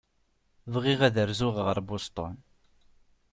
Bɣiɣ ad rzuɣ ɣer Boston.